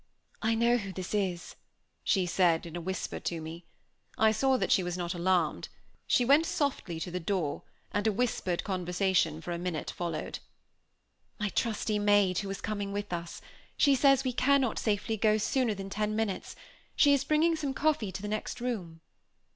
"I know who this is," she said, in a whisper to me. I saw that she was not alarmed. She went softly to the door, and a whispered conversation for a minute followed. "My trusty maid, who is coming with us. She says we cannot safely go sooner than ten minutes. She is bringing some coffee to the next room."